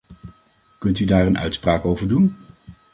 Kunt u daar een uitspraak over doen?